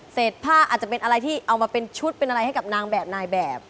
ผ้าอาจจะเป็นอะไรที่เอามาเป็นชุดเป็นอะไรให้กับนางแบบนายแบบ